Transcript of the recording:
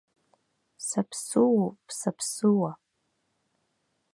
Саԥсуоуп, саԥсуа!